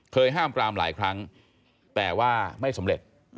ห้ามปรามหลายครั้งแต่ว่าไม่สำเร็จ